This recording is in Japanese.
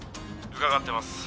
伺ってます